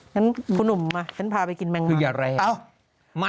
ครับคุณหนุ่มมาไปกินแมลงมัน